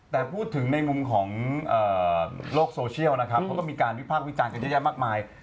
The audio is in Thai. แต่พูดถึงในมุมของโลกโซเชียลนะครับเขาก็มีการวิพากษ์วิจารณ์กันเยอะแยะมากมาย